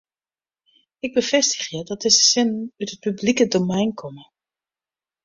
Ik befêstigje dat dizze sinnen út it publike domein komme.